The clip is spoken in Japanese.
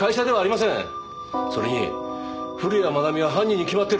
それに古谷愛美は犯人に決まってる。